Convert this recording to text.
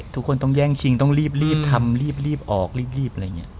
ทุกคนต้องแย่งชิงต้องรีบทำรีบออกรีบอะไรอย่างนี้